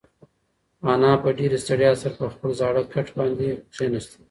انا په ډېرې ستړیا سره پر خپل زاړه کټ باندې کښېناسته.